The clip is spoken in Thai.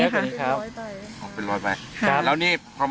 การแก้เคล็ดบางอย่างแค่นั้นเอง